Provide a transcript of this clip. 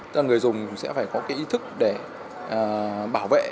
tức là người dùng sẽ phải có cái ý thức để bảo vệ